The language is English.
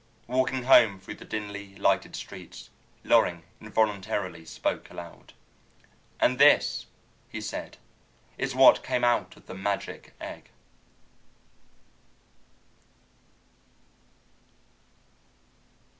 Walking home through the dimly lighted streets, Loring involuntarily spoke aloud. "And this," he said, "is what came out of the magic egg!"